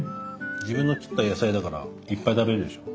自分の切った野菜だからいっぱい食べれるでしょ。